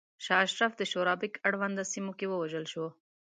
شاه اشرف د شورابک اړونده سیمو کې ووژل شو.